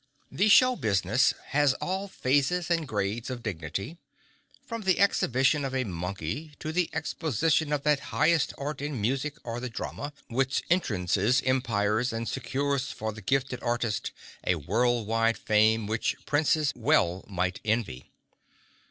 The show business has all phases and grades of dignity, from the exhibition of a monkey to the exposition of that highest art in music or the drama, which entrances empires and secures for the gifted artist a world wide fame which princes well might envy.